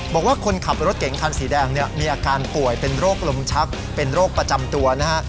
บอกว่าคนขับรถเก๋งคันสีแดงเนี่ยมีอาการป่วยเป็นโรคลมชักเป็นโรคประจำตัวนะฮะ